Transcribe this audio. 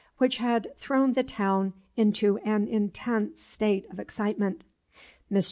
which had "thrown the town into an intense state of excitement. Mr.